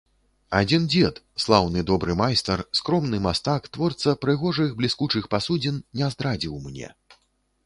Адзін дзед, слаўны добры майстар, скромны мастак, творца прыгожых бліскучых пасудзін, не здрадзіў мне.